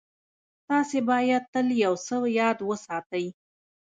تاسې بايد تل يو څه ياد وساتئ.